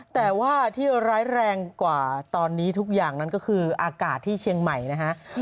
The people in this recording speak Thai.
แต่ว่าที่ร้ายแรงกว่าตอนนี้ทุกอย่างนั้นก็คืออากาศที่เชียงใหม่นะฮะ